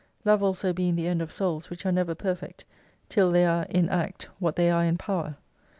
Love also being the end of Souls, which are never perfect till they are in act what they are in power.